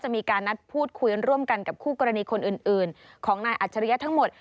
มีการนัดพูดคุยร่วมกันกับคู่กรณีคนอื่นของนายอัจฉริยะทั้งหมด